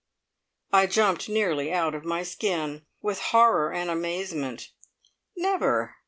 I jumped nearly out of my skin, with horror and amazement. "Never!